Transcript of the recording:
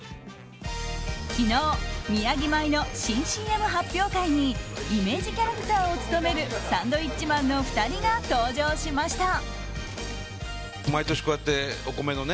昨日、宮城米の新ＣＭ発表会にイメージキャラクターを務めるサンドウィッチマンの２人が登場しました。